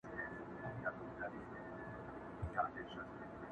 کرۍ ورځ به وه په نجونو کي خندانه!.